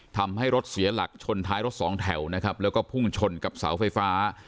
ทำให้รถเสียหลักชนท้ายรถสองแถวนะครับแล้วก็พุ่งชนกับเสาไฟฟ้า